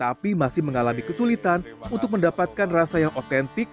tapi masih mengalami kesulitan untuk mendapatkan rasa yang otentik